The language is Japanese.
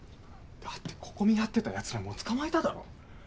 だってここ見張ってたやつらもう捕まえただろ？